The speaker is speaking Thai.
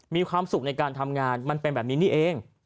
มีความสุขในการทำงานมันเป็นแบบนี้นี่เอง